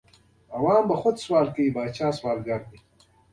دا په سوېل کې موقعیت لري چې افغانستان هم پکې دی.